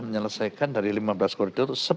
menyelesaikan dari lima belas koridor